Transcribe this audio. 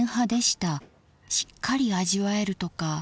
しっかり味わえるとか。